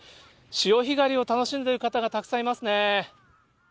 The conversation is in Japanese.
潮干狩りを楽しんでいる方がたくさんいますね。